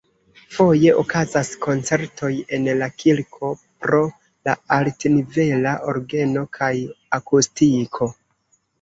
Foje okazas koncertoj en la kirko pro la altnivela orgeno kaj akustiko.